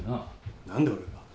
何で俺が？